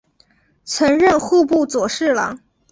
曾任户部左侍郎。